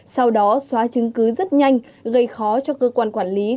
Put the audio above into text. sau đó xóa chứng cứ rất nhanh gây khó cho cơ quan quản lý